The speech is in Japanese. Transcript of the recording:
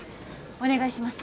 お願いします